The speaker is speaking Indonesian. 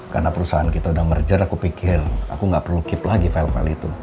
karena perusahaan kita udah merger aku pikir aku nggak perlu keep lagi file file itu